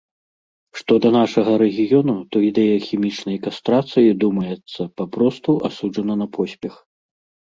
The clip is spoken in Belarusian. Што да нашага рэгіёну, то ідэя хімічнай кастрацыі, думаецца, папросту асуджана на поспех.